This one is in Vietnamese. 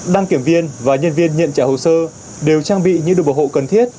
đăng kiểm viên và nhân viên nhận trả hồ sơ đều trang bị những đồ bảo hộ cần thiết